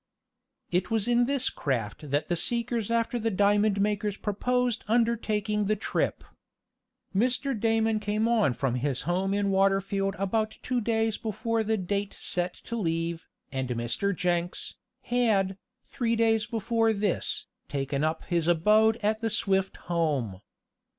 It was in this craft that the seekers after the diamond makers proposed undertaking the trip. Mr. Damon came on from his home in Waterfield about two days before the date set to leave, and Mr. Jenks, had, three days before this, taken up his abode at the Swift home.